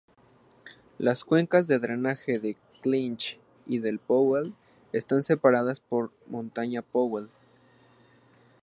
Las cuencas de drenaje del Clinch y del Powell están separados por montaña Powell.